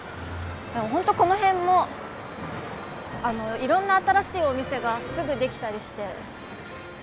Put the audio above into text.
本当この辺もいろんな新しいお店がすぐ出来たりして。